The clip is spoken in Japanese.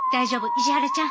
石原ちゃん。